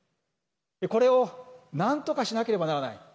これをなんとかしなければならない。